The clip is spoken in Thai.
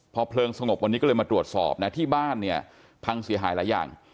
พอเพลิงสงบวันนี้ก็เลยมาตรวจสอบนะที่บ้านเนี่ยพังเสียหายหลายอย่าง